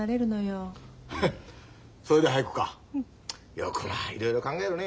よくまあいろいろ考えるね。